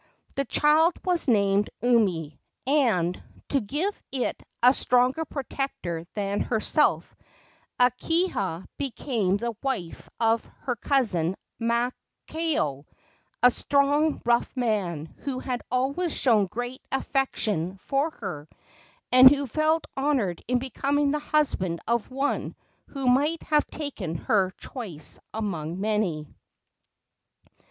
The child was named Umi, and, to give it a stronger protector than herself, Akahia became the wife of her cousin Maakao, a strong, rough man, who had always shown great affection for her, and who felt honored in becoming the husband of one who might have taken her choice among many.